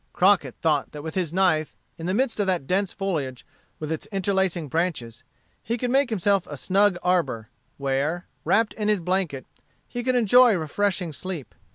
Crockett thought that with his knife, in the midst of that dense foliage with its interlacing branches, he could make himself a snug arbor, where, wrapped in his blanket, he could enjoy refreshing sleep.